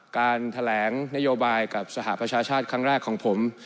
การแถลงนโยบายกับสหประชาชาติครั้งแรกของผม